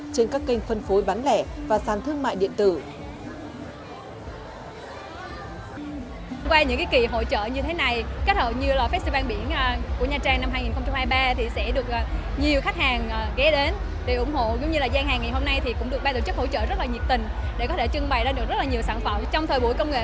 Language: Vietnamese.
trên các kênh phân phối bán lẻ và sàn thương mại điện tử